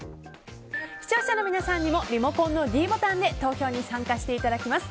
視聴者の皆さんにもリモコンのｄボタンで投票に参加していただきます。